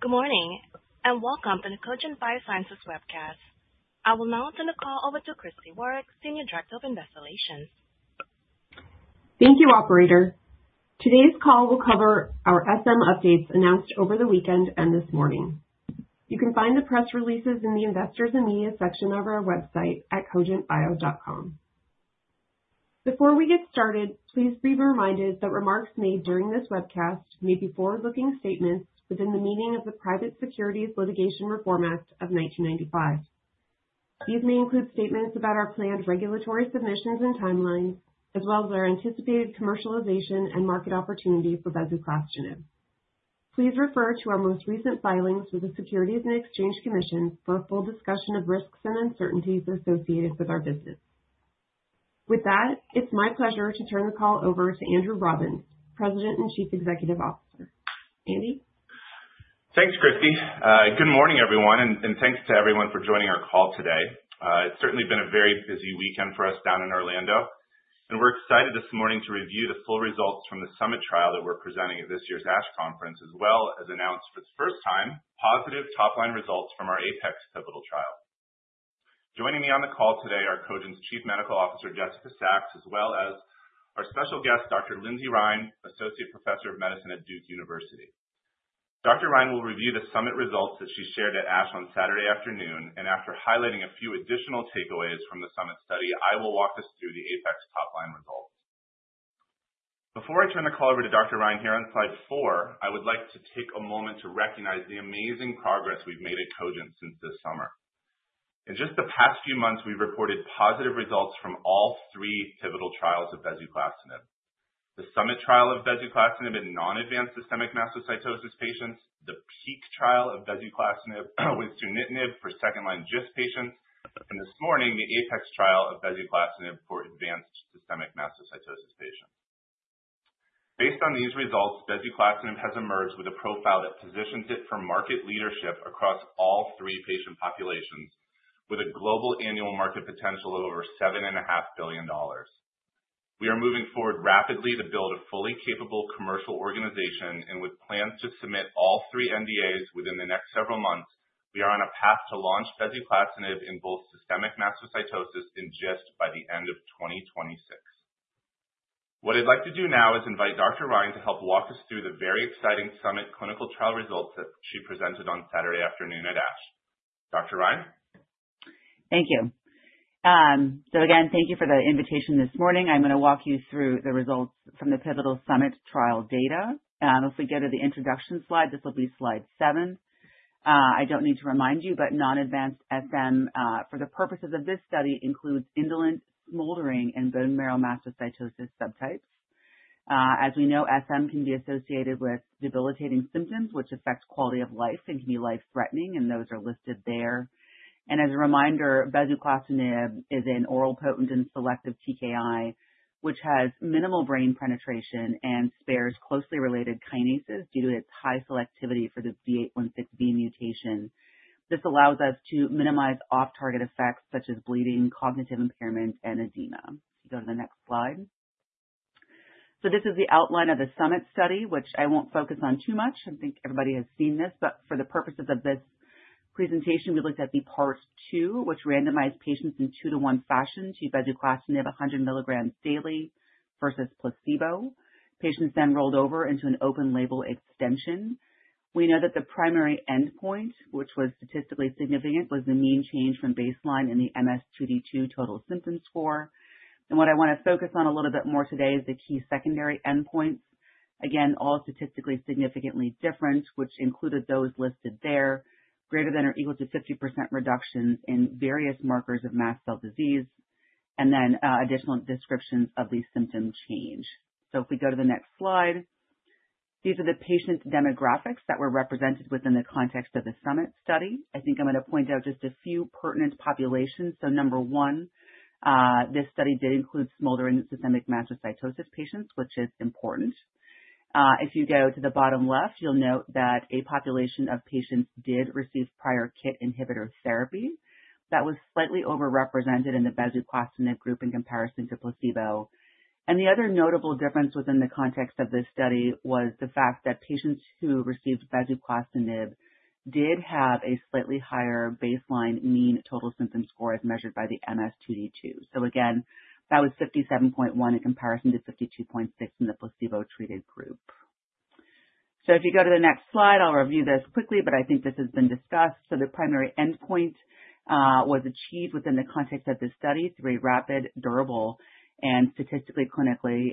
Good morning and welcome to the Cogent Biosciences webcast. I will now turn the call over to Christi Waarich, Senior Director of Investor Relations. Thank you, Operator. Today's call will cover our SM updates announced over the weekend and this morning. You can find the press releases in the Investors and Media section of our website at cogentbio.com. Before we get started, please be reminded that remarks made during this webcast may be forward-looking statements within the meaning of the Private Securities Litigation Reform Act of 1995. These may include statements about our planned regulatory submissions and timelines, as well as our anticipated commercialization and market opportunity for bezuclastinib. Please refer to our most recent filings with the Securities and Exchange Commission for a full discussion of risks and uncertainties associated with our business. With that, it's my pleasure to turn the call over to Andrew Robbins, President and Chief Executive Officer. Andy? Thanks, Christi. Good morning, everyone, and thanks to everyone for joining our call today. It's certainly been a very busy weekend for us down in Orlando, and we're excited this morning to review the full results from the summit trial that we're presenting at this year's ASH Conference, as well as announce for the first time positive top-line results from our APEX pivotal trial. Joining me on the call today are Cogent's Chief Medical Officer, Jessica Sachs, as well as our special guest, Dr. Lindsay Rein, Associate Professor of Medicine at Duke University. Dr. Rein will review the summit results that she shared at ASH on Saturday afternoon, and after highlighting a few additional takeaways from the summit study, I will walk us through the APEX top-line results. Before I turn the call over to Dr. Rein here on slide four, I would like to take a moment to recognize the amazing progress we've made at Cogent since this summer. In just the past few months, we've reported positive results from all three pivotal trials of bezuclastinib: the SUMMIT trial of bezuclastinib in non-advanced systemic mastocytosis patients, the PEAK trial of bezuclastinib with sunitinib for second-line GIST patients, and this morning, the APEX trial of bezuclastinib for advanced systemic mastocytosis patients. Based on these results, bezuclastinib has emerged with a profile that positions it for market leadership across all three patient populations, with a global annual market potential of over $7.5 billion. We are moving forward rapidly to build a fully capable commercial organization, and with plans to submit all three NDAs within the next several months, we are on a path to launch bezuclastinib in both systemic mastocytosis and GIST by the end of 2026. What I'd like to do now is invite Dr. Rein to help walk us through the very exciting SUMMIT clinical trial results that she presented on Saturday afternoon at ASH. Dr. Rein? Thank you. So again, thank you for the invitation this morning. I'm going to walk you through the results from the pivotal SUMMIT trial data. If we go to the introduction slide, this will be slide seven. I don't need to remind you, but non-advanced SM for the purposes of this study includes indolent smoldering and bone marrow mastocytosis subtypes. As we know, SM can be associated with debilitating symptoms, which affect quality of life and can be life-threatening, and those are listed there. And as a reminder, bezuclastinib is an oral potent and selective TKI, which has minimal brain penetration and spares closely related kinases due to its high selectivity for the D816V mutation. This allows us to minimize off-target effects such as bleeding, cognitive impairment, and edema. If you go to the next slide. So this is the outline of the summit study, which I won't focus on too much. I think everybody has seen this, but for the purposes of this presentation, we looked at the part two, which randomized patients in two-to-one fashion to bezuclastinib 100 milligrams daily versus placebo. Patients then rolled over into an open-label extension. We know that the primary endpoint, which was statistically significant, was the mean change from baseline in the MS2D2 total symptom score. And what I want to focus on a little bit more today is the key secondary endpoints. Again, all statistically significantly different, which included those listed there, greater than or equal to 50% reductions in various markers of mast cell disease, and then additional descriptions of the symptom change. If we go to the next slide, these are the patient demographics that were represented within the context of the SUMMIT study. I think I'm going to point out just a few pertinent populations. Number one, this study did include smoldering systemic mastocytosis patients, which is important. If you go to the bottom left, you'll note that a population of patients did receive prior KIT inhibitor therapy. That was slightly overrepresented in the bezuclastinib group in comparison to placebo. And the other notable difference within the context of this study was the fact that patients who received bezuclastinib did have a slightly higher baseline mean total symptom score as measured by the MS2D2. So again, that was 57.1 in comparison to 52.6 in the placebo-treated group. So if you go to the next slide, I'll review this quickly, but I think this has been discussed. So the primary endpoint was achieved within the context of this study through a rapid, durable, and statistically clinically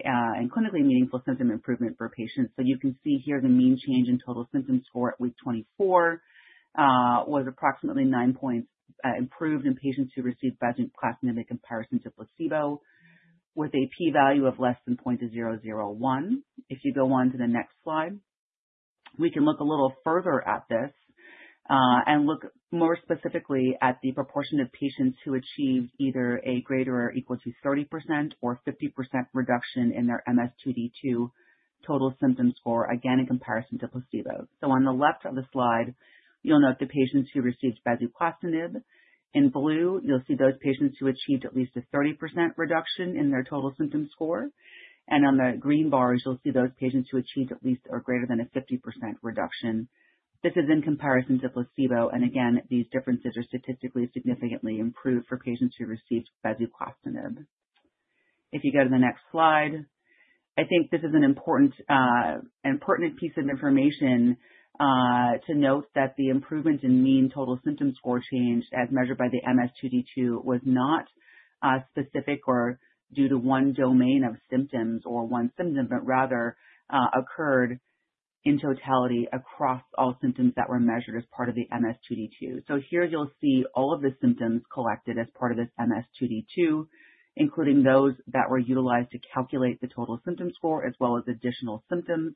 meaningful symptom improvement for patients. So you can see here the mean change in total symptom score at week 24 was approximately nine points improved in patients who received bezuclastinib in comparison to placebo, with a p-value of less than 0.001. If you go on to the next slide, we can look a little further at this and look more specifically at the proportion of patients who achieved either a greater or equal to 30% or 50% reduction in their MS2D2 total symptom score, again in comparison to placebo. So on the left of the slide, you'll note the patients who received bezuclastinib. In blue, you'll see those patients who achieved at least a 30% reduction in their total symptom score, and on the green bars, you'll see those patients who achieved at least or greater than a 50% reduction. This is in comparison to placebo, and again, these differences are statistically significantly improved for patients who received bezuclastinib. If you go to the next slide, I think this is an important piece of information to note that the improvement in mean total symptom score change as measured by the MS2D2 was not specific or due to one domain of symptoms or one symptom, but rather occurred in totality across all symptoms that were measured as part of the MS2D2, so here you'll see all of the symptoms collected as part of this MS2D2, including those that were utilized to calculate the total symptom score as well as additional symptoms.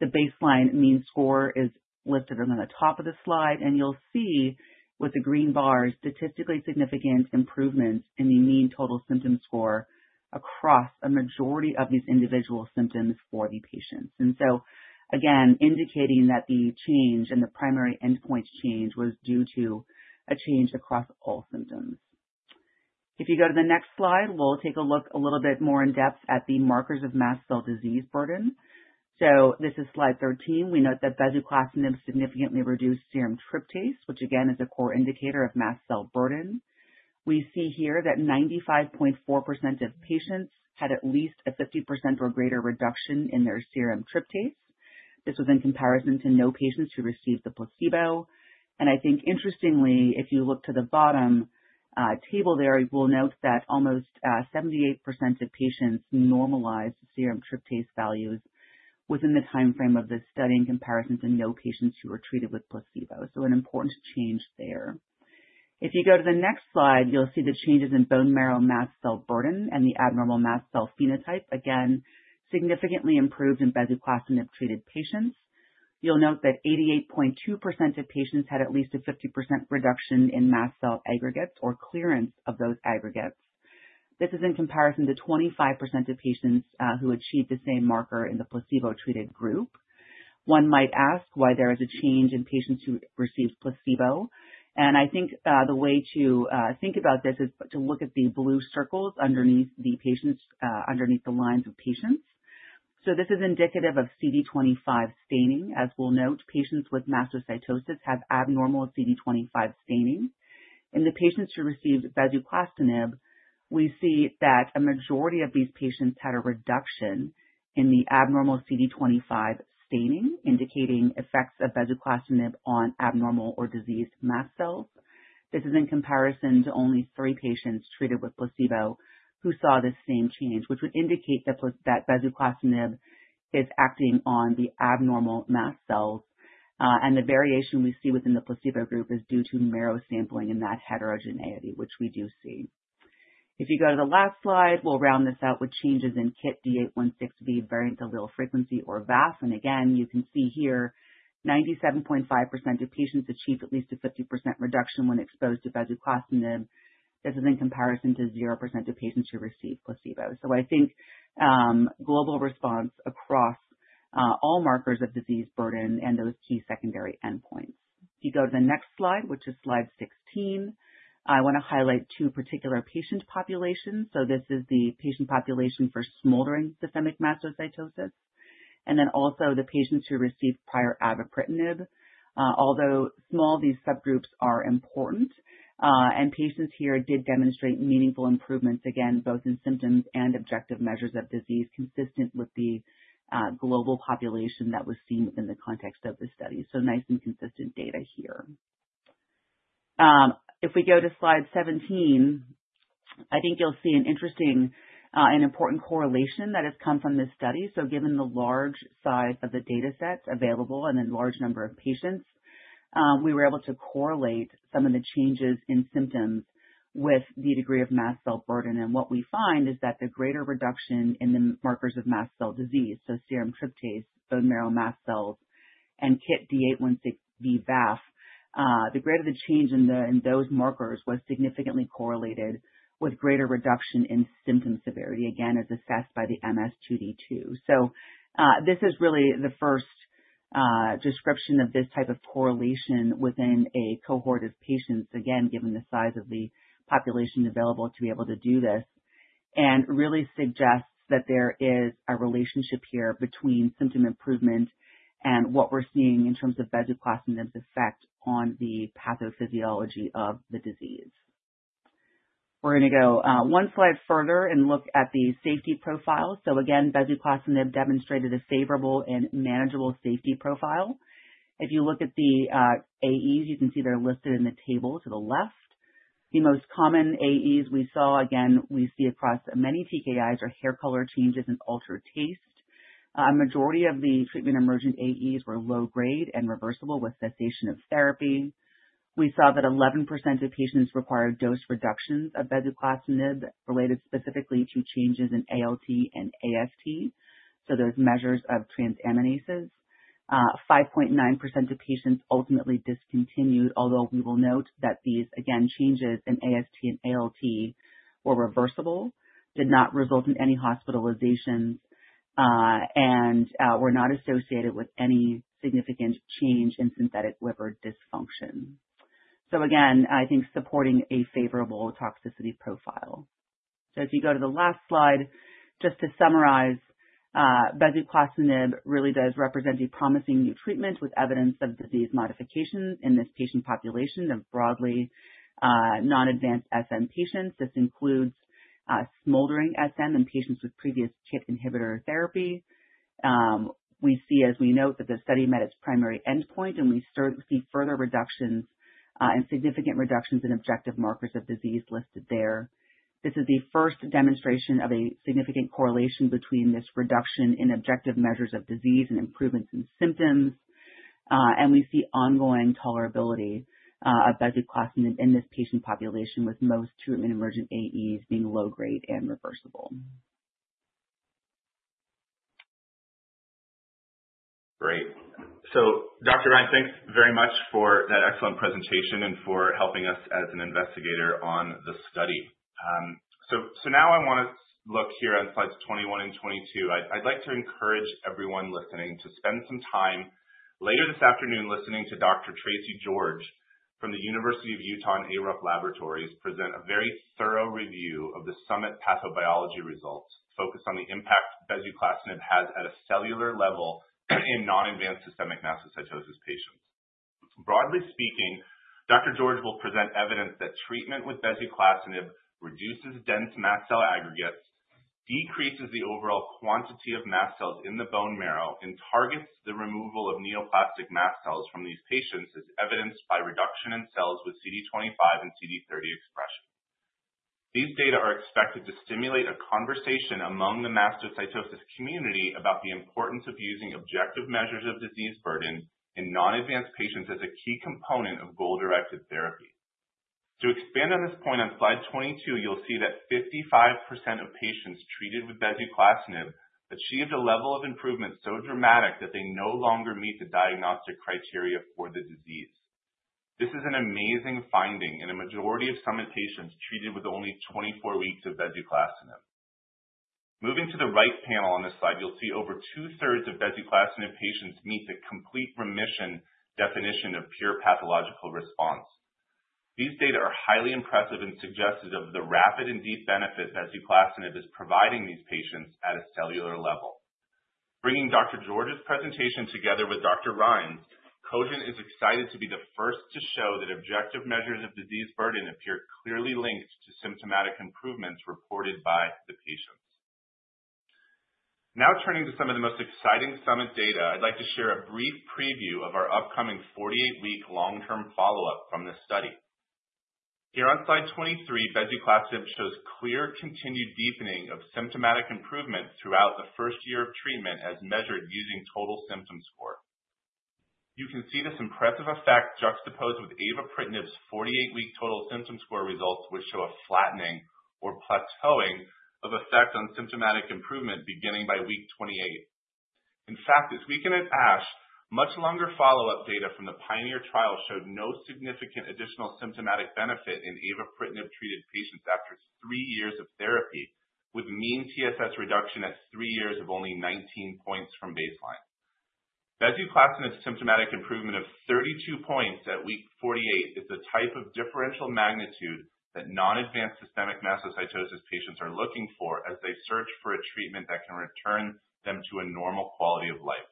The baseline mean score is listed on the top of the slide, and you'll see with the green bars statistically significant improvements in the mean total symptom score across a majority of these individual symptoms for the patients, and so again, indicating that the change and the primary endpoint change was due to a change across all symptoms. If you go to the next slide, we'll take a look a little bit more in depth at the markers of mast cell disease burden. So this is slide 13. We note that bezuclastinib significantly reduced serum tryptase, which again is a core indicator of mast cell burden. We see here that 95.4% of patients had at least a 50% or greater reduction in their serum tryptase. This was in comparison to no patients who received the placebo. I think interestingly, if you look to the bottom table there, you will note that almost 78% of patients normalized serum tryptase values within the timeframe of this study in comparison to no patients who were treated with placebo. An important change there. If you go to the next slide, you'll see the changes in bone marrow mast cell burden and the abnormal mast cell phenotype, again significantly improved in bezuclastinib treated patients. You'll note that 88.2% of patients had at least a 50% reduction in mast cell aggregates or clearance of those aggregates. This is in comparison to 25% of patients who achieved the same marker in the placebo-treated group. One might ask why there is a change in patients who received placebo. And I think the way to think about this is to look at the blue circles underneath the patients, underneath the lines of patients. So this is indicative of CD25 staining. As we'll note, patients with mastocytosis have abnormal CD25 staining. In the patients who received bezuclastinib, we see that a majority of these patients had a reduction in the abnormal CD25 staining, indicating effects of bezuclastinib on abnormal or diseased mast cells. This is in comparison to only three patients treated with placebo who saw the same change, which would indicate that bezuclastinib is acting on the abnormal mast cells. And the variation we see within the placebo group is due to marrow sampling and that heterogeneity, which we do see. If you go to the last slide, we'll round this out with changes in KIT D816V variant allele frequency or VAF. And again, you can see here 97.5% of patients achieved at least a 50% reduction when exposed to bezuclastinib. This is in comparison to 0% of patients who received placebo. I think global response across all markers of disease burden and those key secondary endpoints. If you go to the next slide, which is slide 16, I want to highlight two particular patient populations. This is the patient population for smoldering systemic mastocytosis, and then also the patients who received prior avapritinib. Although small, these subgroups are important, and patients here did demonstrate meaningful improvements, again, both in symptoms and objective measures of disease consistent with the global population that was seen within the context of the study. Nice and consistent data here. If we go to slide 17, I think you'll see an interesting and important correlation that has come from this study. Given the large size of the data set available and the large number of patients, we were able to correlate some of the changes in symptoms with the degree of mast cell burden. What we find is that the greater reduction in the markers of mast cell disease, so serum tryptase, bone marrow mast cells, and KIT D816V VAF, the greater the change in those markers was significantly correlated with greater reduction in symptom severity, again, as assessed by the MS2D2. This is really the first description of this type of correlation within a cohort of patients, again, given the size of the population available to be able to do this, and really suggests that there is a relationship here between symptom improvement and what we're seeing in terms of bezuclastinib's effect on the pathophysiology of the disease. We're going to go one slide further and look at the safety profile. So again, bezuclastinib demonstrated a favorable and manageable safety profile. If you look at the AEs, you can see they're listed in the table to the left. The most common AEs we saw, again, we see across many TKIs are hair color changes and altered taste. A majority of the treatment emergent AEs were low-grade and reversible with cessation of therapy. We saw that 11% of patients required dose reductions of bezuclastinib related specifically to changes in ALT and AST, so those measures of transaminases. 5.9% of patients ultimately discontinued, although we will note that these, again, changes in AST and ALT were reversible, did not result in any hospitalizations, and were not associated with any significant change in clinically significant liver dysfunction. So again, I think supporting a favorable toxicity profile. So if you go to the last slide, just to summarize, bezuclastinib really does represent a promising new treatment with evidence of disease modification in this patient population of broadly non-advanced SM patients. This includes smoldering SM in patients with previous KIT inhibitor therapy. We see, as we note, that the study met its primary endpoint, and we see further reductions and significant reductions in objective markers of disease listed there. This is the first demonstration of a significant correlation between this reduction in objective measures of disease and improvements in symptoms. We see ongoing tolerability of bezuclastinib in this patient population, with most treatment emergent AEs being low-grade and reversible. Great. So Dr. Rein, thanks very much for that excellent presentation and for helping us as an investigator on the study. So now I want to look here on slides 21 and 22. I'd like to encourage everyone listening to spend some time later this afternoon listening to Dr. Tracy George from the University of Utah and ARUP Laboratories present a very thorough review of the SUMMIT pathobiology results focused on the impact bezuclastinib has at a cellular level in non-advanced systemic mastocytosis patients. Broadly speaking, Dr. George will present evidence that treatment with bezuclastinib reduces dense mast cell aggregates, decreases the overall quantity of mast cells in the bone marrow, and targets the removal of neoplastic mast cells from these patients, as evidenced by reduction in cells with CD25 and CD30 expression. These data are expected to stimulate a conversation among the mastocytosis community about the importance of using objective measures of disease burden in non-advanced patients as a key component of goal-directed therapy. To expand on this point, on slide 22, you'll see that 55% of patients treated with bezuclastinib achieved a level of improvement so dramatic that they no longer meet the diagnostic criteria for the disease. This is an amazing finding in a majority of SUMMIT patients treated with only 24 weeks of bezuclastinib. Moving to the right panel on this slide, you'll see over two-thirds of bezuclastinib patients meet the complete remission definition of pure pathological response. These data are highly impressive and suggestive of the rapid and deep benefit bezuclastinib is providing these patients at a cellular level. Bringing Dr. George's presentation together with Dr. Rein, Cogent is excited to be the first to show that objective measures of disease burden appear clearly linked to symptomatic improvements reported by the patients. Now turning to some of the most exciting SUMMIT data, I'd like to share a brief preview of our upcoming 48-week long-term follow-up from this study. Here on slide 23, bezuclastinib shows clear continued deepening of symptomatic improvement throughout the first year of treatment as measured using total symptom score. You can see this impressive effect juxtaposed with avapritinib's 48-week total symptom score results, which show a flattening or plateauing of effect on symptomatic improvement beginning by week 28. In fact, as we saw at ASH, much longer follow-up data from the Pioneer trial showed no significant additional symptomatic benefit in avapritinib-treated patients after three years of therapy, with mean TSS reduction at three years of only 19 points from baseline. Bezuclastinib symptomatic improvement of 32 points at week 48 is the type of differential magnitude that non-advanced systemic mastocytosis patients are looking for as they search for a treatment that can return them to a normal quality of life.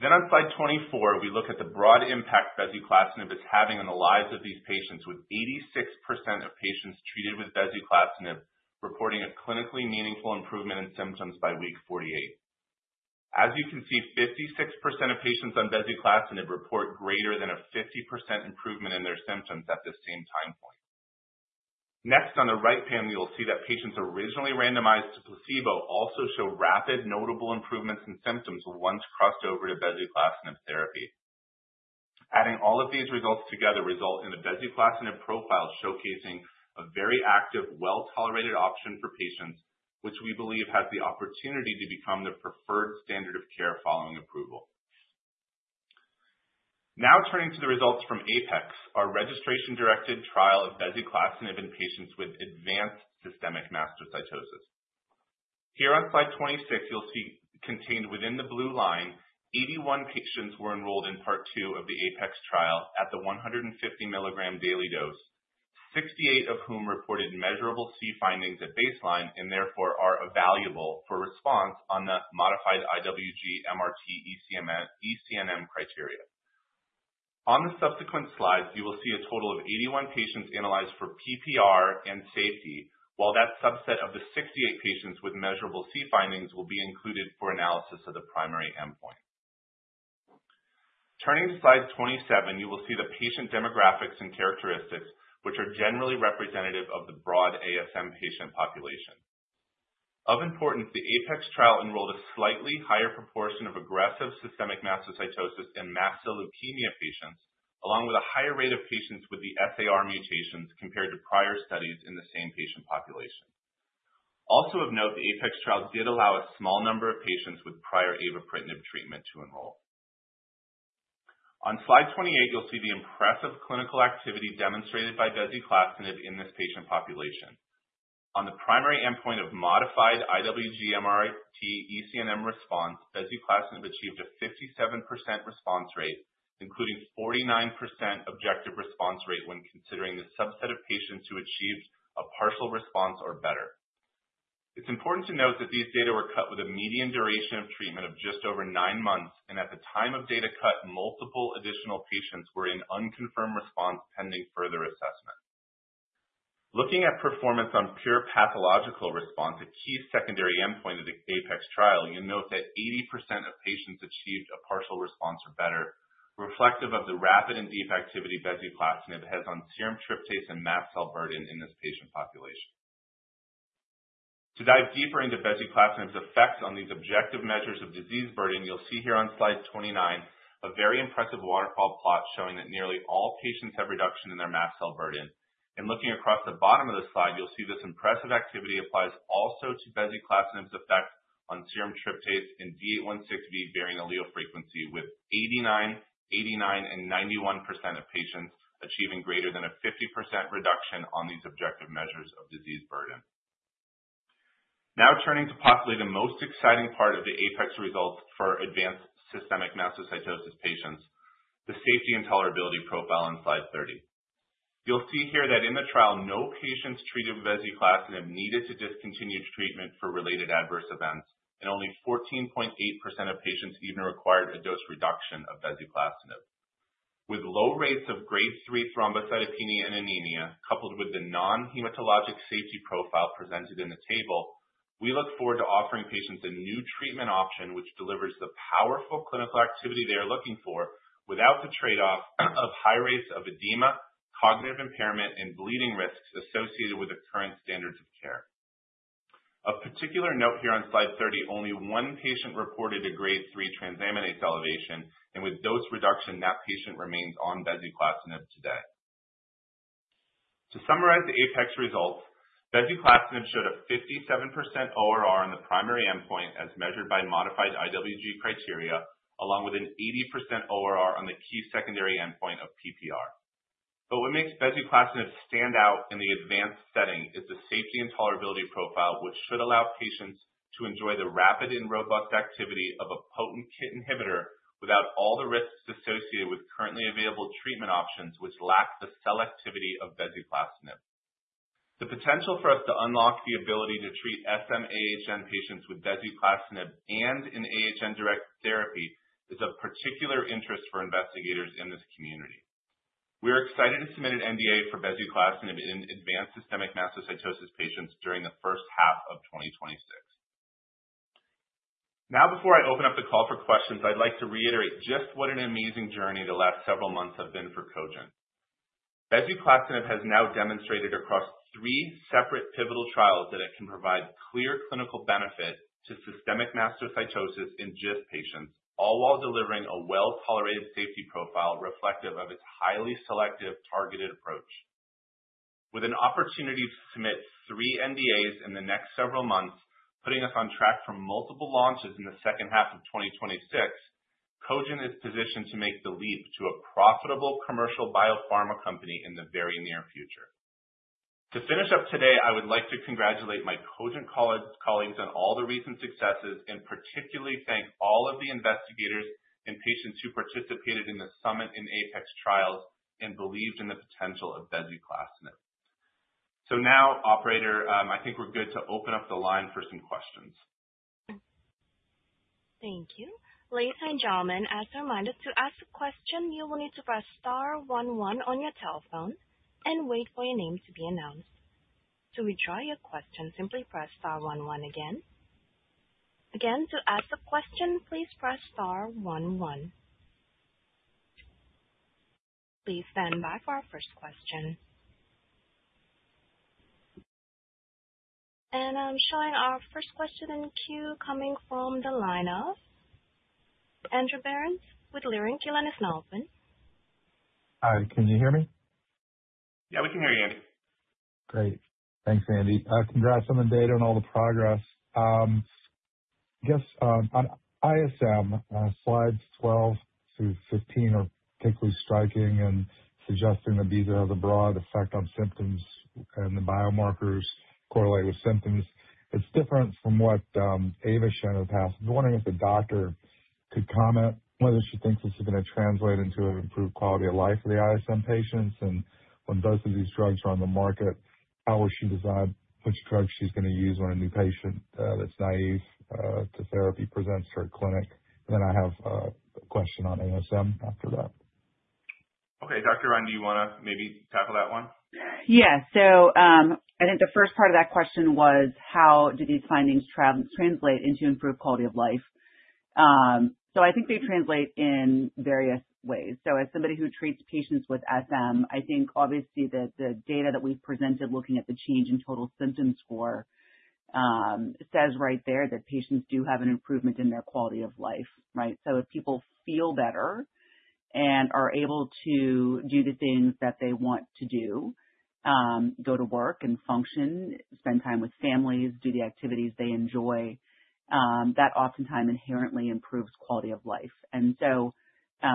Then on slide 24, we look at the broad impact bezuclastinib is having on the lives of these patients, with 86% of patients treated with bezuclastinib reporting a clinically meaningful improvement in symptoms by week 48. As you can see, 56% of patients on bezuclastinib report greater than a 50% improvement in their symptoms at the same time point. Next, on the right panel, you'll see that patients originally randomized to placebo also show rapid notable improvements in symptoms once crossed over to bezuclastinib therapy. Adding all of these results together results in a bezuclastinib profile showcasing a very active, well-tolerated option for patients, which we believe has the opportunity to become the preferred standard of care following approval. Now turning to the results from APEX, our registration-directed trial of bezuclastinib in patients with advanced systemic mastocytosis. Here on slide 26, you'll see, contained within the blue line, 81 patients were enrolled in part two of the APEX trial at the 150 milligram daily dose, 68 of whom reported measurable C findings at baseline and therefore are evaluable for response on the modified IWG-MRT-ECNM criteria. On the subsequent slides, you will see a total of 81 patients analyzed for PPR and safety, while that subset of the 68 patients with measurable C findings will be included for analysis of the primary endpoint. Turning to slide 27, you will see the patient demographics and characteristics, which are generally representative of the broad ASM patient population. Of importance, the APEX trial enrolled a slightly higher proportion of aggressive systemic mastocytosis and mastocytopenia patients, along with a higher rate of patients with the S/A/R mutations compared to prior studies in the same patient population. Also of note, the APEX trial did allow a small number of patients with prior avapritinib treatment to enroll. On slide 28, you'll see the impressive clinical activity demonstrated by bezuclastinib in this patient population. On the primary endpoint of modified IWG-MRT-ECNM response, bezuclastinib achieved a 57% response rate, including 49% objective response rate when considering the subset of patients who achieved a partial response or better. It's important to note that these data were cut with a median duration of treatment of just over nine months, and at the time of data cut, multiple additional patients were in unconfirmed response pending further assessment. Looking at performance on pure pathological response, a key secondary endpoint of the APEX trial, you note that 80% of patients achieved a partial response or better, reflective of the rapid and deep activity bezuclastinib has on serum tryptase and mast cell burden in this patient population. To dive deeper into bezuclastinib's effects on these objective measures of disease burden, you'll see here on slide 29 a very impressive waterfall plot showing that nearly all patients have reduction in their mast cell burden. Looking across the bottom of the slide, you'll see this impressive activity applies also to bezuclastinib's effect on serum tryptase and D816V variant allele frequency, with 89, 89, and 91% of patients achieving greater than a 50% reduction on these objective measures of disease burden. Now turning to possibly the most exciting part of the APEX results for advanced systemic mastocytosis patients, the safety and tolerability profile on slide 30. You'll see here that in the trial, no patients treated with bezuclastinib needed to discontinue treatment for related adverse events, and only 14.8% of patients even required a dose reduction of bezuclastinib. With low rates of grade 3 thrombocytopenia and anemia, coupled with the non-hematologic safety profile presented in the table, we look forward to offering patients a new treatment option which delivers the powerful clinical activity they are looking for without the trade-off of high rates of edema, cognitive impairment, and bleeding risks associated with the current standards of care. Of particular note here on slide 30, only one patient reported a grade 3 transaminase elevation, and with dose reduction, that patient remains on bezuclastinib today. To summarize the APEX results, bezuclastinib showed a 57% ORR on the primary endpoint as measured by modified IWG criteria, along with an 80% ORR on the key secondary endpoint of PPR. But what makes bezuclastinib stand out in the advanced setting is the safety and tolerability profile, which should allow patients to enjoy the rapid and robust activity of a potent KIT inhibitor without all the risks associated with currently available treatment options, which lack the selectivity of bezuclastinib. The potential for us to unlock the ability to treat SM AHN patients with bezuclastinib and in AHN direct therapy is of particular interest for investigators in this community. We are excited to submit an NDA for bezuclastinib in advanced systemic mastocytosis patients during the first half of 2026. Now, before I open up the call for questions, I'd like to reiterate just what an amazing journey the last several months have been for Cogent. Bezuclastinib has now demonstrated across three separate pivotal trials that it can provide clear clinical benefit to systemic mastocytosis in GIST patients, all while delivering a well-tolerated safety profile reflective of its highly selective targeted approach. With an opportunity to submit three NDAs in the next several months, putting us on track for multiple launches in the second half of 2026, Cogent is positioned to make the leap to a profitable commercial biopharma company in the very near future. To finish up today, I would like to congratulate my Cogent colleagues on all the recent successes and particularly thank all of the investigators and patients who participated in the SUMMIT and APEX trials and believed in the potential of bezuclastinib. So now, Operator, I think we're good to open up the line for some questions. Thank you. Ladies and gentlemen, as a reminder to ask a question, you will need to press star 11 on your telephone and wait for your name to be announced. To withdraw your question, simply press star 11 again. Again, to ask a question, please press star 11. Please stand by for our first question. And I'm showing our first question in queue coming from the lineup. Andrew Berens with Leerink Partners. Hi, can you hear me? Yeah, we can hear you, Andy. Great. Thanks, Andy. Congrats on the data and all the progress. I guess on ISM, slides 12 through 15 are particularly striking and suggesting that these have a broad effect on symptoms and the biomarkers correlate with symptoms. It's different from what Ayvakit shared in the past. I'm wondering if the doctor could comment on whether she thinks this is going to translate into an improved quality of life for the ISM patients. And when both of these drugs are on the market, how will she decide which drug she's going to use when a new patient that's naïve to therapy presents to her clinic? And then I have a question on ASM after that. Okay. Dr. Rein, do you want to maybe tackle that one? Yeah. So I think the first part of that question was, how do these findings translate into improved quality of life? So I think they translate in various ways. So as somebody who treats patients with SM, I think obviously that the data that we've presented looking at the change in total symptom score says right there that patients do have an improvement in their quality of life, right? So if people feel better and are able to do the things that they want to do, go to work and function, spend time with families, do the activities they enjoy, that oftentimes inherently improves quality of life. And so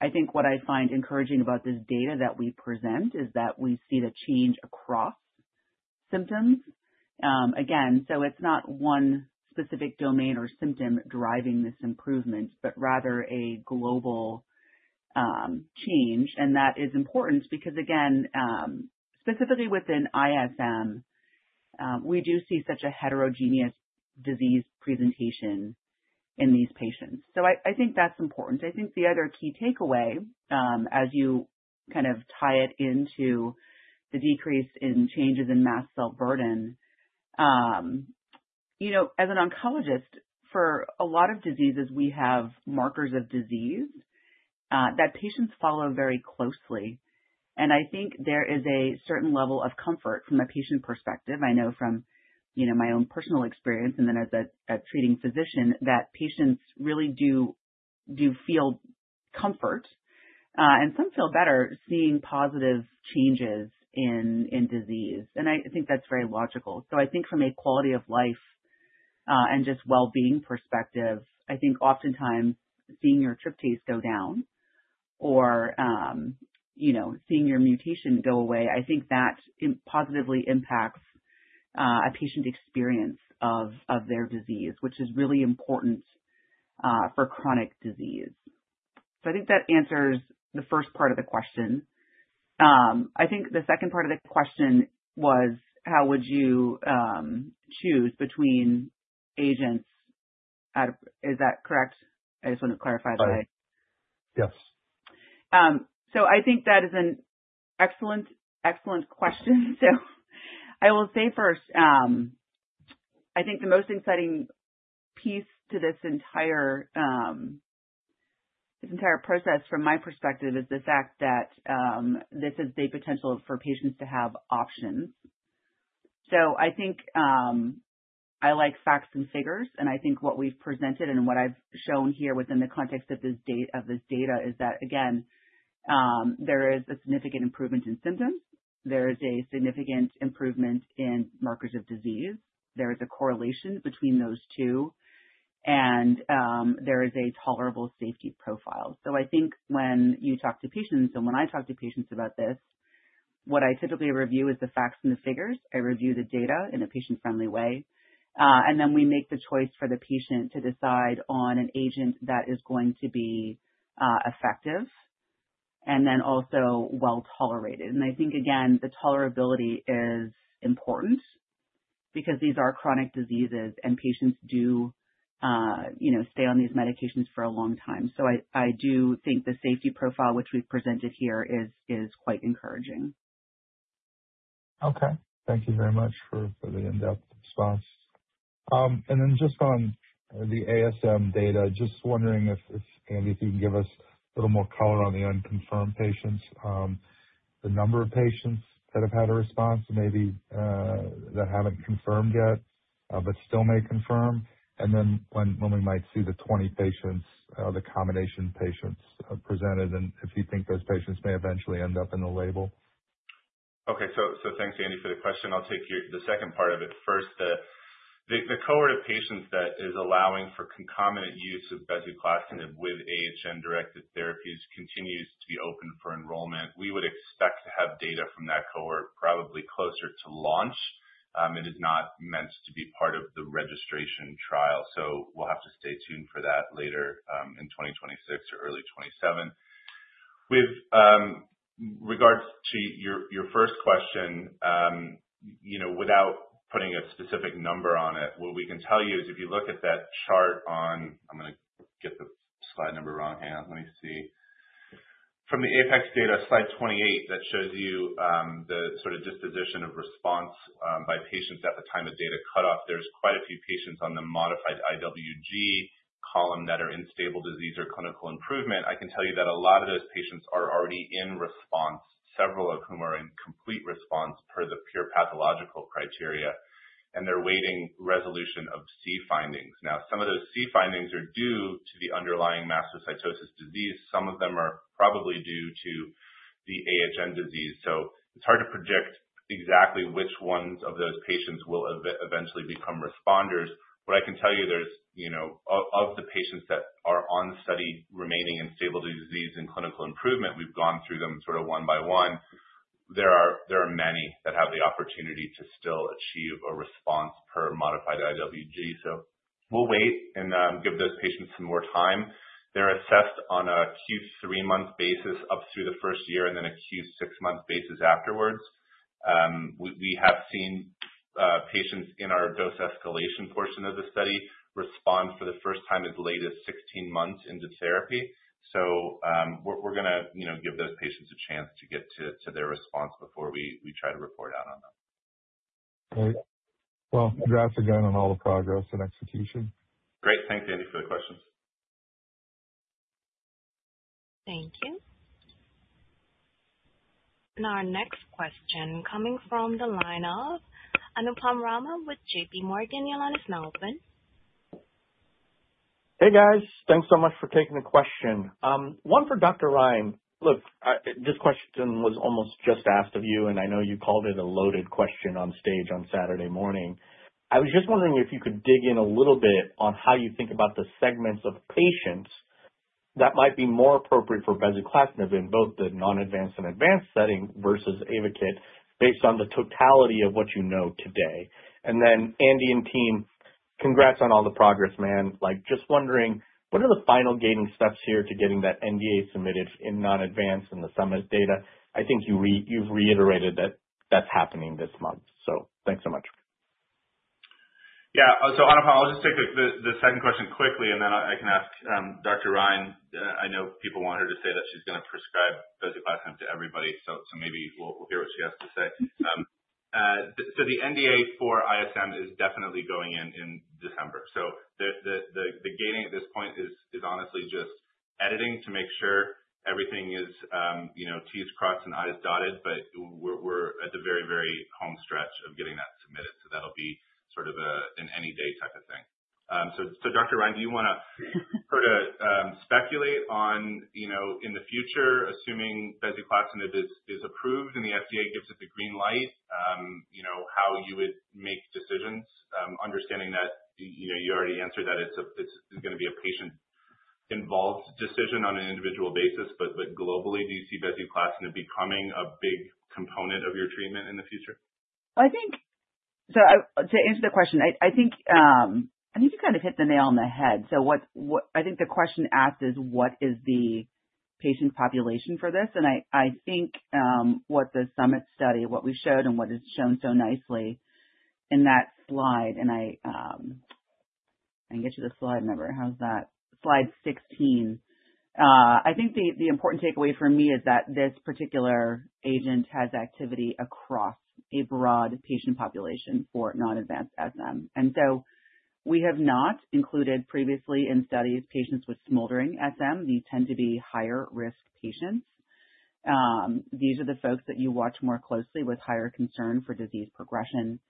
I think what I find encouraging about this data that we present is that we see the change across symptoms. Again, so it's not one specific domain or symptom driving this improvement, but rather a global change. And that is important because, again, specifically within ISM, we do see such a heterogeneous disease presentation in these patients. So I think that's important. I think the other key takeaway, as you kind of tie it into the decrease in changes in mast cell burden, as an oncologist, for a lot of diseases, we have markers of disease that patients follow very closely. And I think there is a certain level of comfort from a patient perspective. I know from my own personal experience and then as a treating physician that patients really do feel comfort, and some feel better seeing positive changes in disease. And I think that's very logical. So I think from a quality of life and just well-being perspective, I think oftentimes seeing your tryptase go down or seeing your mutation go away, I think that positively impacts a patient's experience of their disease, which is really important for chronic disease. So I think that answers the first part of the question. I think the second part of the question was, how would you choose between agents? Is that correct? I just want to clarify that. Yes. So I think that is an excellent, excellent question. So I will say first, I think the most exciting piece to this entire process from my perspective is the fact that this is the potential for patients to have options. So I think I like facts and figures, and I think what we've presented and what I've shown here within the context of this data is that, again, there is a significant improvement in symptoms. There is a significant improvement in markers of disease. There is a correlation between those two, and there is a tolerable safety profile. So I think when you talk to patients and when I talk to patients about this, what I typically review is the facts and the figures. I review the data in a patient-friendly way, and then we make the choice for the patient to decide on an agent that is going to be effective and then also well-tolerated, and I think, again, the tolerability is important because these are chronic diseases, and patients do stay on these medications for a long time, so I do think the safety profile, which we've presented here, is quite encouraging. Okay. Thank you very much for the in-depth response. And then just on the ASM data, just wondering if Andy, if you can give us a little more color on the unconfirmed patients, the number of patients that have had a response and maybe that haven't confirmed yet but still may confirm, and then when we might see the 20 patients, the combination patients presented, and if you think those patients may eventually end up in the label? Okay. So thanks, Andy, for the question. I'll take the second part of it first. The cohort of patients that is allowing for concomitant use of bezuclastinib with AHN-directed therapies continues to be open for enrollment. We would expect to have data from that cohort probably closer to launch. It is not meant to be part of the registration trial, so we'll have to stay tuned for that later in 2026 or early 2027. With regards to your first question, without putting a specific number on it, what we can tell you is if you look at that chart on. I'm going to get the slide number wrong. And let me see. From the APEX data, slide 28, that shows you the sort of disposition of response by patients at the time of data cutoff. There's quite a few patients on the modified IWG column that are in stable disease or clinical improvement. I can tell you that a lot of those patients are already in response, several of whom are in complete response per the pure pathological criteria, and they're waiting resolution of C findings. Now, some of those C findings are due to the underlying mastocytosis disease. Some of them are probably due to the AHN disease. So it's hard to predict exactly which ones of those patients will eventually become responders. What I can tell you, there's of the patients that are on study remaining in stable disease and clinical improvement, we've gone through them sort of one by one. There are many that have the opportunity to still achieve a response per modified IWG. So we'll wait and give those patients some more time. They're assessed on a Q3-month basis up through the first year and then a Q6-month basis afterwards. We have seen patients in our dose escalation portion of the study respond for the first time as late as 16 months into therapy. We're going to give those patients a chance to get to their response before we try to report out on them. Great. Well, congrats again on all the progress and execution. Great. Thanks, Andy, for the questions. Thank you. And our next question coming from the lineup, Anupam Rama with J.P. Morgan, your line is now open. Hey, guys. Thanks so much for taking the question. One for Dr. Rein. Look, this question was almost just asked of you, and I know you called it a loaded question on stage on Saturday morning. I was just wondering if you could dig in a little bit on how you think about the segments of patients that might be more appropriate for bezuclastinib in both the non-advanced and advanced setting versus Ayvakit based on the totality of what you know today. And then, Andy and team, congrats on all the progress, man. Just wondering, what are the final gating steps here to getting that NDA submitted in non-advanced and the SUMMIT data? I think you've reiterated that that's happening this month. So thanks so much. Yeah. So, Anupam, I'll just take the second question quickly, and then I can ask Dr. Rein. I know people want her to say that she's going to prescribe bezuclastinib to everybody, so maybe we'll hear what she has to say. So the NDA for ISM is definitely going in December. So the gating at this point is honestly just editing to make sure everything is T's crossed and I's dotted, but we're at the very, very home stretch of getting that submitted. So that'll be sort of an any day type of thing. So, Dr. Rein, do you want to sort of speculate on, in the future, assuming bezuclastinib is approved and the FDA gives it the green light, how you would make decisions, understanding that you already answered that it's going to be a patient-involved decision on an individual basis, but globally, do you see bezuclastinib becoming a big component of your treatment in the future? So to answer the question, I think you kind of hit the nail on the head. So I think the question asked is, what is the patient population for this? And I think what the SUMMIT study, what we showed and what is shown so nicely in that slide, and I can get you the slide number. How's that? Slide 16. I think the important takeaway for me is that this particular agent has activity across a broad patient population for non-advanced SM. And so we have not included previously in studies patients with smoldering SM. These tend to be higher-risk patients. These are the folks that you watch more closely with higher concern for disease progression.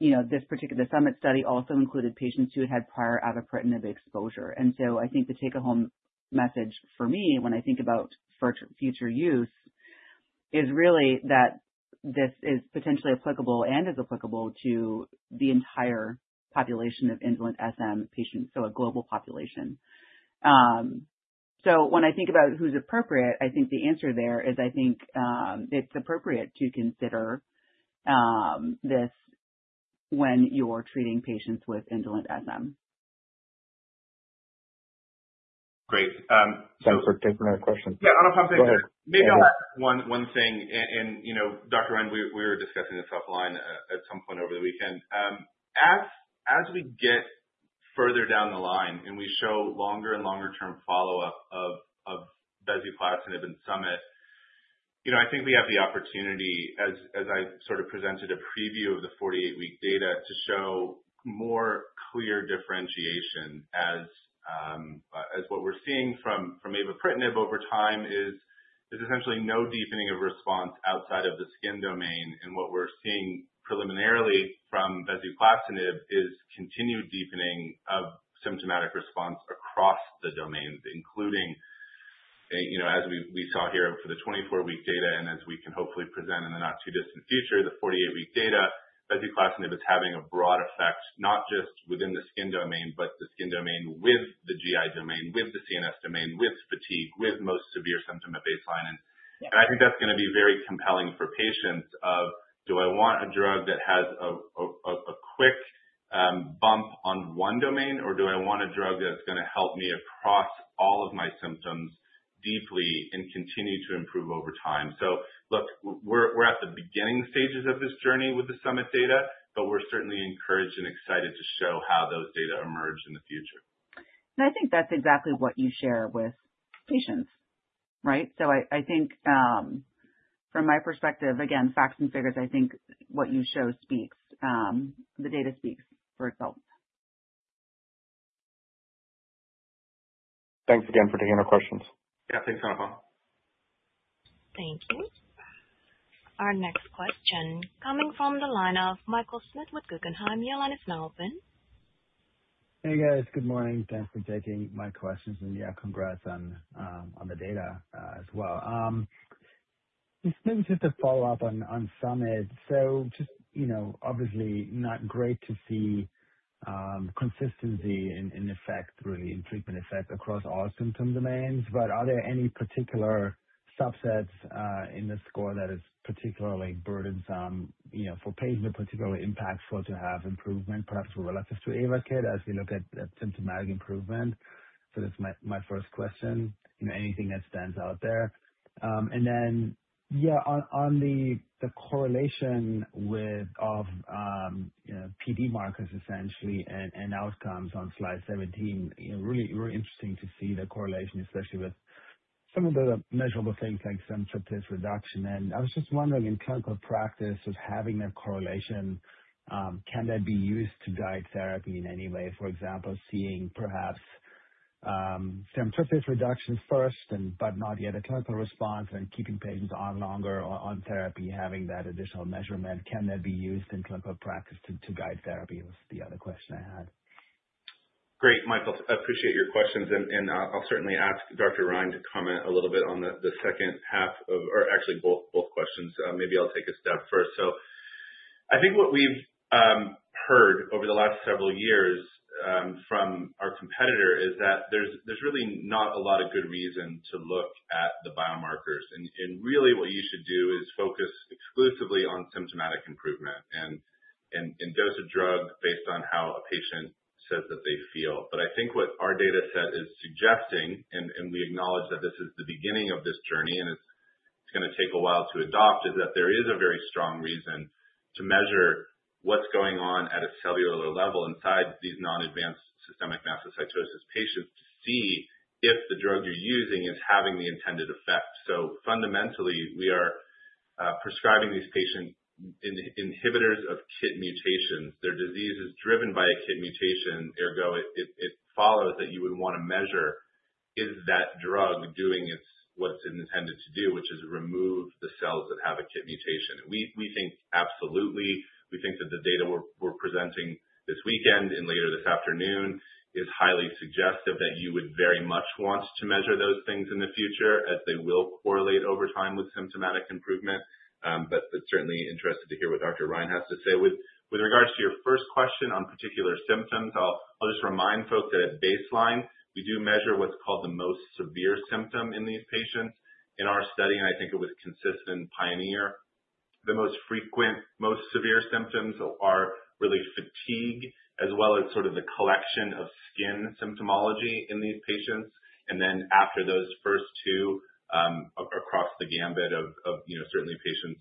This SUMMIT study also included patients who had had prior avapritinib exposure. And so I think the take-home message for me when I think about future use is really that this is potentially applicable and is applicable to the entire population of indolent SM patients, so a global population. So when I think about who's appropriate, I think the answer there is I think it's appropriate to consider this when you're treating patients with indolent SM. Great. Thank You for taking my question. Yeah, Anupam, maybe I'll add one thing, and Dr. Rein, we were discussing this offline at some point over the weekend. As we get further down the line and we show longer and longer-term follow-up of bezuclastinib in SUMMIT, I think we have the opportunity, as I sort of presented a preview of the 48-week data, to show more clear differentiation as what we're seeing from avapritinib over time is essentially no deepening of response outside of the skin domain. And what we're seeing preliminarily from bezuclastinib is continued deepening of symptomatic response across the domains, including as we saw here for the 24-week data and as we can hopefully present in the not-too-distant future, the 48-week data. Bezuclastinib is having a broad effect, not just within the skin domain, but the skin domain with the GI domain, with the CNS domain, with fatigue, with most severe symptom at baseline. And I think that's going to be very compelling for patients of, "Do I want a drug that has a quick bump on one domain, or do I want a drug that's going to help me across all of my symptoms deeply and continue to improve over time?" So look, we're at the beginning stages of this journey with the SUMMIT data, but we're certainly encouraged and excited to show how those data emerge in the future. And I think that's exactly what you share with patients, right? So I think from my perspective, again, facts and figures, I think what you show speaks. The data speaks for itself. Thanks again for taking our questions. Yeah. Thanks, Anupam. Thank you. Our next question coming from the line of Michael Schmidt with Guggenheim Securities. Hey, guys. Good morning. Thanks for taking my questions. And yeah, congrats on the data as well. Maybe just to follow up on SUMMIT. So just obviously not great to see consistency in effect, really, in treatment effect across all symptom domains, but are there any particular subsets in the score that is particularly burdensome for patients, particularly impactful to have improvement, perhaps relative to Ayvakit as we look at symptomatic improvement? So that's my first question. Anything that stands out there? And then, yeah, on the correlation with PD markers essentially and outcomes on slide 17, really interesting to see the correlation, especially with some of the measurable things like tryptase reduction. And I was just wondering in clinical practice, just having that correlation, can that be used to guide therapy in any way? For example, seeing perhaps some tryptase reduction first, but not yet a clinical response, and keeping patients on longer on therapy, having that additional measurement, can that be used in clinical practice to guide therapy? That was the other question I had. Great. Michael, I appreciate your questions. And I'll certainly ask Dr. Rein to comment a little bit on the second half of- or actually both questions. Maybe I'll take a stab first. So I think what we've heard over the last several years from our competitor is that there's really not a lot of good reason to look at the biomarkers. And really, what you should do is focus exclusively on symptomatic improvement and dose of drug based on how a patient says that they feel. But I think what our data set is suggesting, and we acknowledge that this is the beginning of this journey and it's going to take a while to adopt, is that there is a very strong reason to measure what's going on at a cellular level inside these non-advanced systemic mastocytosis patients to see if the drug you're using is having the intended effect. So fundamentally, we are prescribing these patients inhibitors of KIT mutations. Their disease is driven by a KIT mutation. Ergo, it follows that you would want to measure, is that drug doing what it's intended to do, which is remove the cells that have a KIT mutation? We think absolutely. We think that the data we're presenting this weekend and later this afternoon is highly suggestive that you would very much want to measure those things in the future as they will correlate over time with symptomatic improvement. But certainly interested to hear what Dr. Rein has to say. With regards to your first question on particular symptoms, I'll just remind folks that at baseline, we do measure what's called the most severe symptom in these patients in our study, and I think it was consistent PIONEER. The most frequent, most severe symptoms are really fatigue as well as sort of the collection of skin symptomology in these patients, and then after those first two across the gamut of certainly patients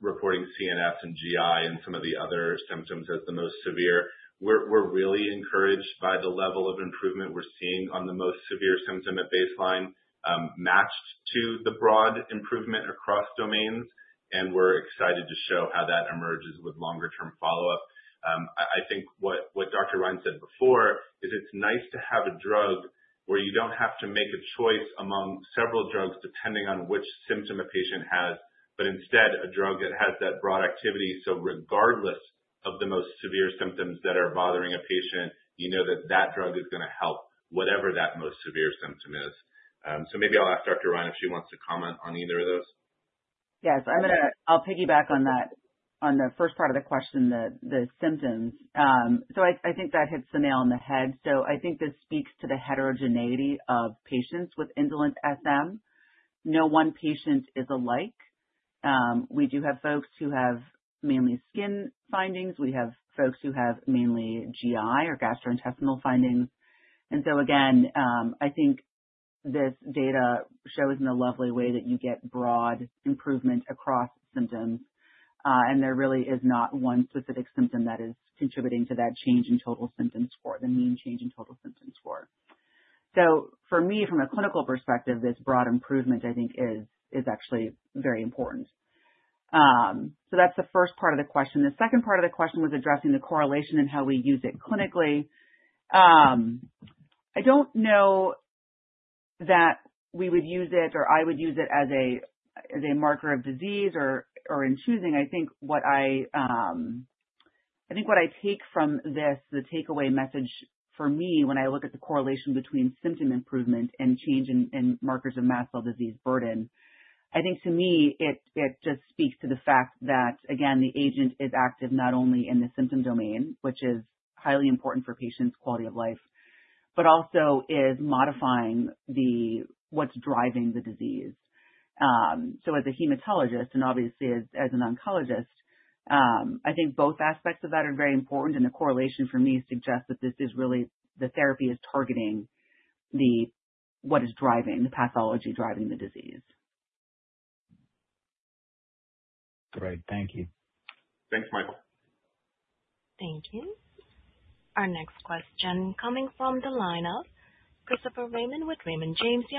reporting CNS and GI and some of the other symptoms as the most severe, we're really encouraged by the level of improvement we're seeing on the most severe symptom at baseline matched to the broad improvement across domains, and we're excited to show how that emerges with longer-term follow-up. I think what Dr. Rein said before is it's nice to have a drug where you don't have to make a choice among several drugs depending on which symptom a patient has, but instead a drug that has that broad activity. So regardless of the most severe symptoms that are bothering a patient, you know that that drug is going to help whatever that most severe symptom is. So maybe I'll ask Dr. Rein if she wants to comment on either of those. Yes. I'll piggyback on that on the first part of the question, the symptoms. So I think that hits the nail on the head. So I think this speaks to the heterogeneity of patients with indolent SM. No one patient is alike. We do have folks who have mainly skin findings. We have folks who have mainly GI or gastrointestinal findings. And so again, I think this data shows in a lovely way that you get broad improvement across symptoms. And there really is not one specific symptom that is contributing to that change in total symptom score, the mean change in total symptom score. So for me, from a clinical perspective, this broad improvement, I think, is actually very important. So that's the first part of the question. The second part of the question was addressing the correlation and how we use it clinically. I don't know that we would use it or I would use it as a marker of disease or in choosing. I think what I take from this, the takeaway message for me when I look at the correlation between symptom improvement and change in markers of mast cell disease burden, I think to me, it just speaks to the fact that, again, the agent is active not only in the symptom domain, which is highly important for patients' quality of life, but also is modifying what's driving the disease. So as a hematologist and obviously as an oncologist, I think both aspects of that are very important. And the correlation for me suggests that this is really the therapy is targeting what is driving the pathology driving the disease. Great. Thank you. Thanks, Michael. Thank you. Our next question coming from the line of Christopher Raymond with Raymond James. Hey.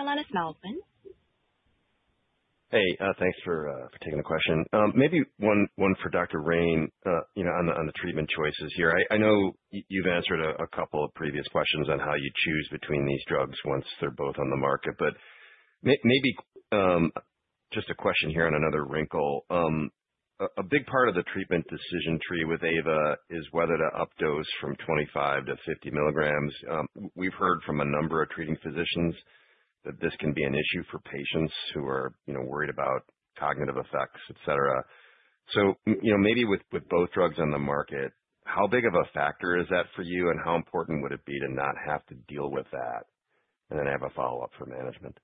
Thanks for taking the question. Maybe one for Dr. Rein on the treatment choices here. I know you've answered a couple of previous questions on how you choose between these drugs once they're both on the market. But maybe just a question here on another wrinkle. A big part of the treatment decision tree with Ava is whether to updose from 25 to 50 milligrams. We've heard from a number of treating physicians that this can be an issue for patients who are worried about cognitive effects, etc. So maybe with both drugs on the market, how big of a factor is that for you? And how important would it be to not have to deal with that? And then I have a follow-up for management.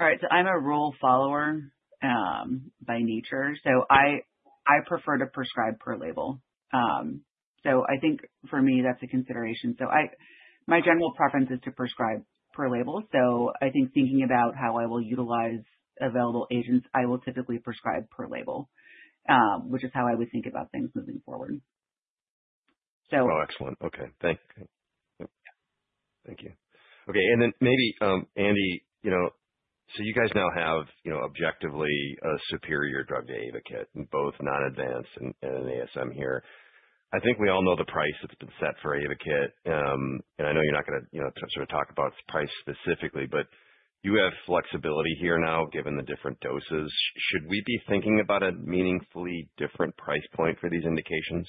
All right. So I'm a rule follower by nature. So I prefer to prescribe per label. So I think for me, that's a consideration. So my general preference is to prescribe per label. So I think thinking about how I will utilize available agents, I will typically prescribe per label, which is how I would think about things moving forward. Oh, excellent. Okay. Thank you. Okay. And then maybe, Andy, so you guys now have objectively a superior drug to Ayvakit in both non-advanced and ASM here. I think we all know the price that's been set for Ayvakit. And I know you're not going to sort of talk about the price specifically, but you have flexibility here now given the different doses. Should we be thinking about a meaningfully different price point for these indications?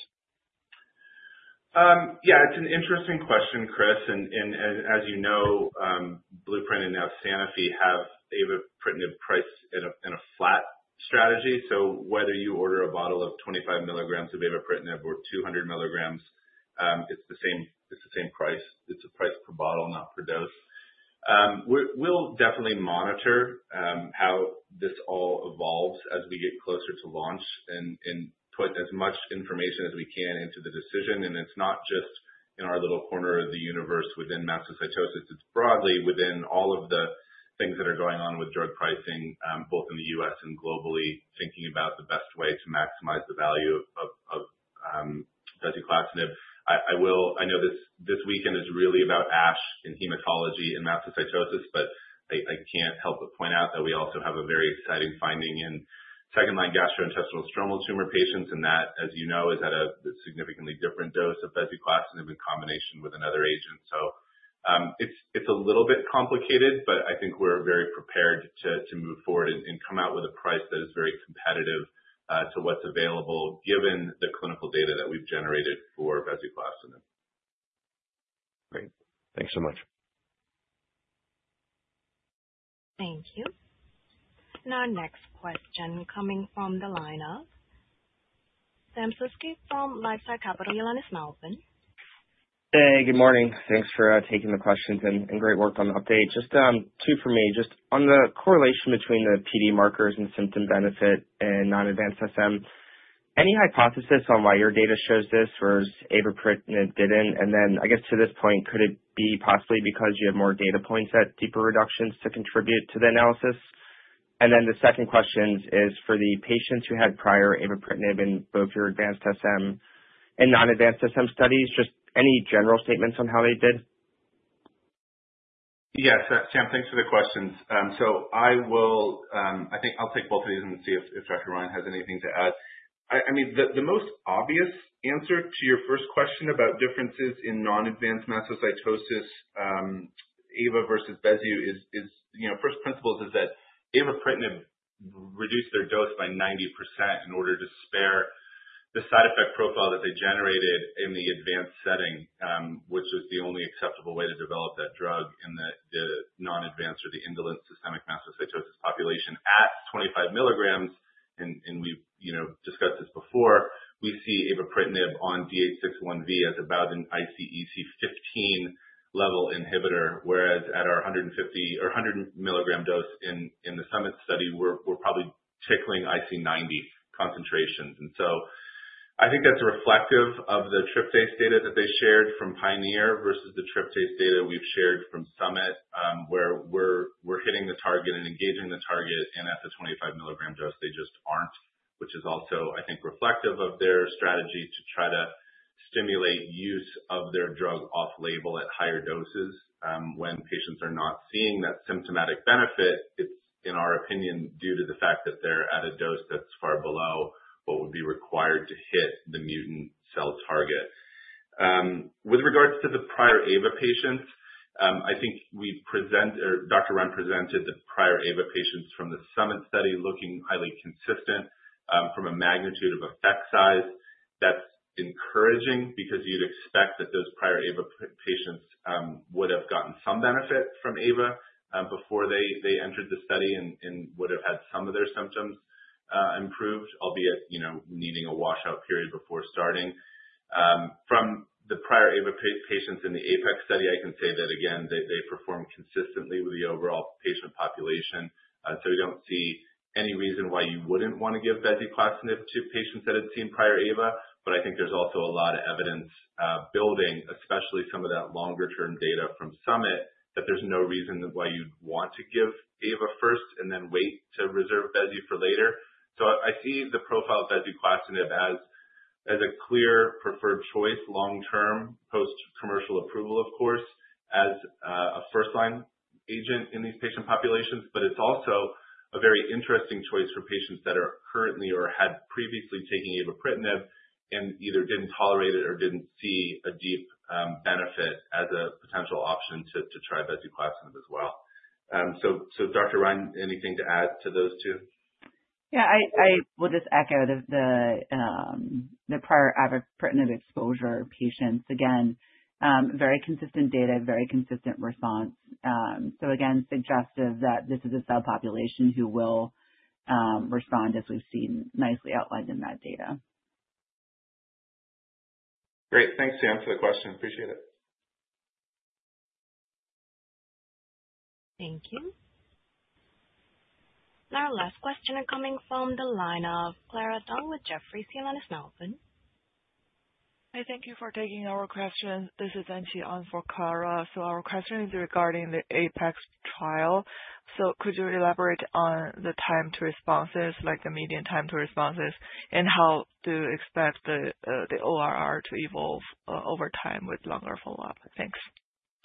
Yeah. It's an interesting question, Chris, and as you know, Blueprint Medicines and now Sanofi have avapritinib priced at a flat strategy. So whether you order a bottle of 25 milligrams of avapritinib or 200 milligrams, it's the same price. It's a price per bottle, not per dose. We'll definitely monitor how this all evolves as we get closer to launch and put as much information as we can into the decision, and it's not just in our little corner of the universe within mastocytosis. It's broadly within all of the things that are going on with drug pricing, both in the U.S. and globally, thinking about the best way to maximize the value of bezuclastinib. I know this weekend is really about ASH and hematology and mastocytosis, but I can't help but point out that we also have a very exciting finding in second-line gastrointestinal stromal tumor patients. That, as you know, is at a significantly different dose of bezuclastinib in combination with another agent. It's a little bit complicated, but I think we're very prepared to move forward and come out with a price that is very competitive to what's available given the clinical data that we've generated for bezuclastinib. Great. Thanks so much. Thank you. And our next question coming from the line of Sam Slutsky from LifeSci Capital, your line is now open. Hey, good morning. Thanks for taking the questions and great work on the update. Just two for me. Just on the correlation between the PD markers and symptom benefit and non-advanced SM, any hypothesis on why your data shows this versus avapritinib didn't? And then I guess to this point, could it be possibly because you have more data points at deeper reductions to contribute to the analysis? And then the second question is for the patients who had prior avapritinib in both your advanced SM and non-advanced SM studies, just any general statements on how they did? Yes. Sam, thanks for the questions. So I think I'll take both of these and see if Dr. Rein has anything to add. I mean, the most obvious answer to your first question about differences in non-advanced mastocytosis, avapritinib versus bezuclastinib, is first principles is that avapritinib reduced their dose by 90% in order to spare the side effect profile that they generated in the advanced setting, which was the only acceptable way to develop that drug in the non-advanced or the indolent systemic mastocytosis population. At 25 milligrams, and we've discussed this before, we see avapritinib on KIT D816V as about an IC50 level inhibitor, whereas at our 100 milligram dose in the summit study, we're probably tickling IC90 concentrations. So I think that's reflective of the phase 3 data that they shared from PIONEER versus the phase 3 data we've shared from SUMMIT, where we're hitting the target and engaging the target. And at the 25 milligram dose, they just aren't, which is also, I think, reflective of their strategy to try to stimulate use of their drug off-label at higher doses. When patients are not seeing that symptomatic benefit, it's, in our opinion, due to the fact that they're at a dose that's far below what would be required to hit the mutant cell target. With regards to the prior Ava patients, I think Dr. Rein presented the prior Ava patients from the SUMMIT study looking highly consistent from a magnitude of effect size. That's encouraging because you'd expect that those prior Ava patients would have gotten some benefit from Ava before they entered the study and would have had some of their symptoms improved, albeit needing a washout period before starting. From the prior Ava patients in the APEX study, I can say that, again, they performed consistently with the overall patient population. So we don't see any reason why you wouldn't want to give bezuclastinib to patients that had seen prior Ava. But I think there's also a lot of evidence building, especially some of that longer-term data from SUMMIT, that there's no reason why you'd want to give Ava first and then wait to reserve Bezu for later. So I see the profile of bezuclastinib as a clear preferred choice long-term, post-commercial approval, of course, as a first-line agent in these patient populations. But it's also a very interesting choice for patients that are currently or had previously taken avapritinib and either didn't tolerate it or didn't see a deep benefit as a potential option to try bezuclastinib as well. So Dr. Rein, anything to add to those two? Yeah. I will just echo the prior avapritinib exposure patients. Again, very consistent data, very consistent response. So again, suggestive that this is a cell population who will respond as we've seen nicely outlined in that data. Great. Thanks, Sam, for the question. Appreciate it. Thank you. And our last question is coming from the line of Clara Dong with Jefferies. Hi. Thank you for taking our question. This is Ancian for Clara. Our question is regarding the APEX trial. Could you elaborate on the time to responses, like the median time to responses, and how to expect the ORR to evolve over time with longer follow-up? Thanks.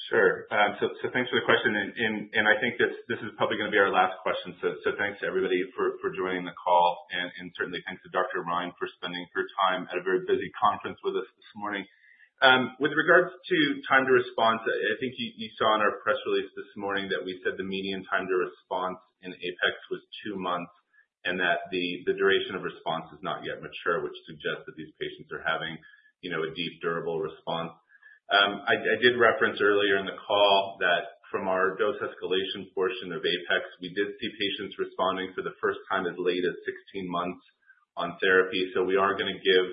Sure. So thanks for the question. And I think this is probably going to be our last question. So thanks to everybody for joining the call. And certainly, thanks to Dr. Rein for spending her time at a very busy conference with us this morning. With regards to time to response, I think you saw in our press release this morning that we said the median time to response in APEX was two months and that the duration of response is not yet mature, which suggests that these patients are having a deep, durable response. I did reference earlier in the call that from our dose escalation portion of APEX, we did see patients responding for the first time as late as 16 months on therapy. So we are going to give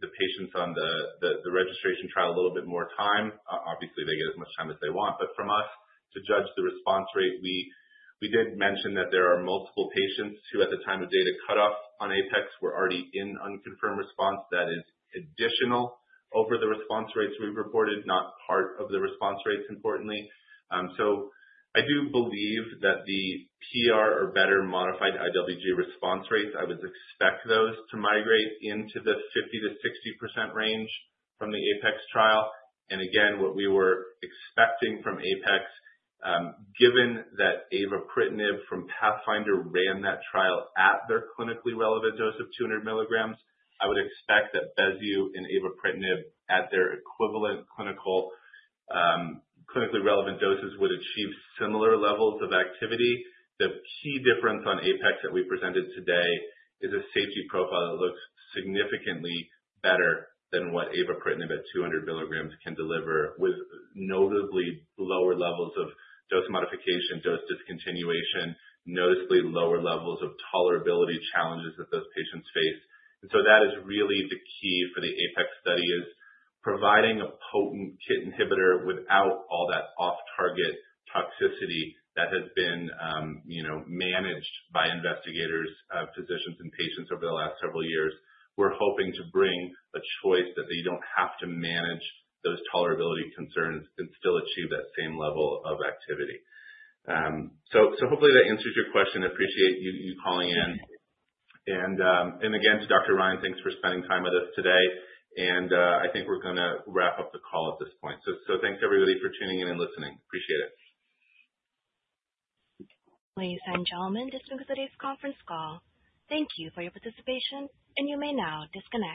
the patients on the registration trial a little bit more time. Obviously, they get as much time as they want. But from us, to judge the response rate, we did mention that there are multiple patients who, at the time of data cutoff on APEX, were already in unconfirmed response. That is additional over the response rates we've reported, not part of the response rates, importantly. So I do believe that the PR or better modified IWG response rates. I would expect those to migrate into the 50%-60% range from the APEX trial. And again, what we were expecting from APEX, given that avapritinib from PATHFINDER ran that trial at their clinically relevant dose of 200 milligrams, I would expect that Bezu and avapritinib, at their equivalent clinically relevant doses, would achieve similar levels of activity. The key difference on APEX that we presented today is a safety profile that looks significantly better than what avapritinib at 200 milligrams can deliver with notably lower levels of dose modification, dose discontinuation, noticeably lower levels of tolerability challenges that those patients face, and so that is really the key for the APEX study, is providing a potent KIT inhibitor without all that off-target toxicity that has been managed by investigators, physicians, and patients over the last several years. We're hoping to bring a choice that they don't have to manage those tolerability concerns and still achieve that same level of activity, so hopefully, that answers your question. Appreciate you calling in, and again, to Dr. Rein, thanks for spending time with us today. I think we're going to wrap up the call at this point, so thanks, everybody, for tuning in and listening. Appreciate it. Ladies and gentlemen, this concludes today's conference call. Thank you for your participation, and you may now disconnect.